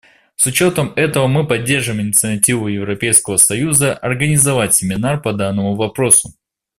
С учетом этого мы поддерживаем инициативу Европейского союза организовать семинар по данному вопросу.